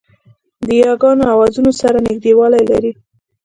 د یاګانو آوازونه سره نږدېوالی لري